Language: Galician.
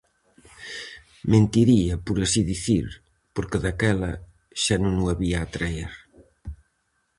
Mentiría, por así dicir, porque daquela xa non o había atraer.